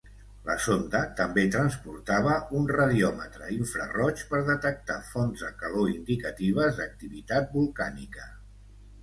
La sonda també transportava un radiòmetre infraroig per detectar fonts de calor indicatives d'activitat volcànica.